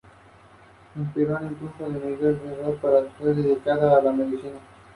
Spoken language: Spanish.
Hay dos topologías principales: hub-and-spoke, y bus.